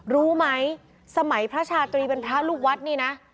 รู้ไหมสมัยพระชาตรีเป็นพระลูกวัดนี่นะ